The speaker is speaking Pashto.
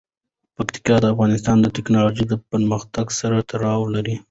پکتیکا د افغانستان د تکنالوژۍ پرمختګ سره تړاو لري.